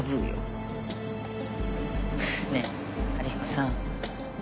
ねえ春彦さん。